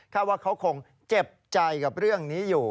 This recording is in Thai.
ว่าเขาคงเจ็บใจกับเรื่องนี้อยู่